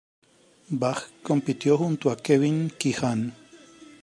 Bach compitió junto a Kevin Qi Han.